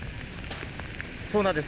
そうなんです。